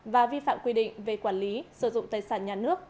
và vi phạm quy định về quản lý sử dụng tài sản nhà nước